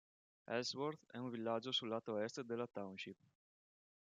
Ellsworth è un villaggio sul lato est della township.